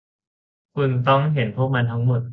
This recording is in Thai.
คุณต้องเห็นพวกมันทั้งหมด